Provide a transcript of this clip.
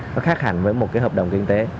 nó khác hẳn với một cái hợp đồng kinh tế